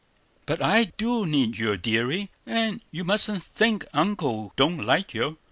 "But I do need you, deary; and you mustn't think Uncle don't like you.